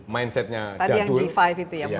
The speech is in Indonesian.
mindsetnya tadi yang g lima itu ya